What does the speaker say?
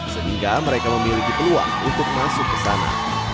sehingga mereka memiliki peluang untuk masuk ke sana